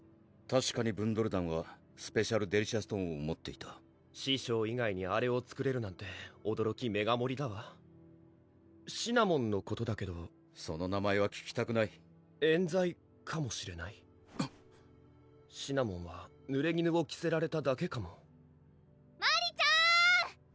たしかにブンドル団はスペシャルデリシャストーンを持っていた師匠以外にあれを作れるなんておどろきメガ盛りだわシナモンのことだけどその名前は聞きたくない冤罪かもしれないシナモンはぬれぎぬを着せられただけかも・マリちゃん！